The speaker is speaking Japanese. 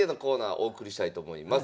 お送りしたいと思います。